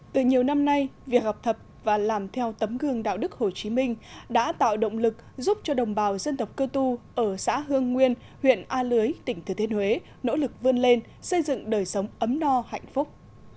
từ nhiều năm nay việc học tập và làm theo tấm gương đạo đức hồ chí minh đã tạo động lực giúp cho đồng bào dân tộc cơ tu ở xã hương nguyên huyện a lưới tỉnh thừa thiên huế nỗ lực vươn lên xây dựng đời sống ấm no hạnh phúc